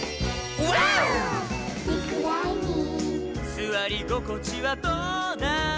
「すわりごこちはどうだい？」